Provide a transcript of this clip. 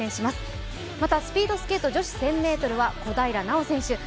また、スピードスケート女子１０００ｍは小平奈緒選手。